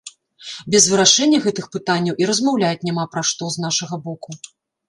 Без вырашэння гэтых пытанняў і размаўляць няма пра што, з нашага боку.